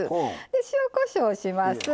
塩、こしょうします。